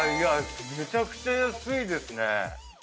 めちゃくちゃ安いですね。